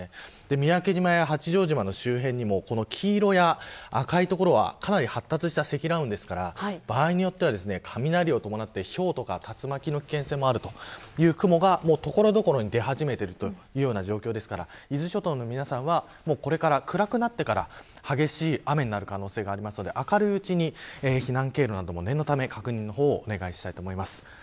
三宅島や八丈島などの周辺にも黄色や赤い所はかなり発達した積乱雲ですから場合によっては、雷を伴ってひょうとか竜巻の危険性もあるという雲が所々に出始めているという状況ですから伊豆諸島の皆さんはこれから暗くなってから激しい雨になる可能性があるので明るいうちに避難経路なども念のため、確認お願いしたいと思います。